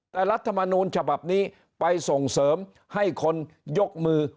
แต่รัฐมนูลฉบับนี้ไปส่งเสริมให้คนยกมือ